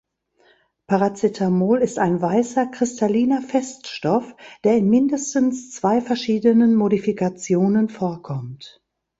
Paracetamol ist ein weißer, kristalliner Feststoff, der in mindestens zwei verschiedenen Modifikationen vorkommt.